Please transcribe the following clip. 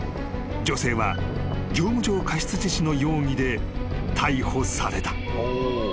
［女性は業務上過失致死の容疑で逮捕された］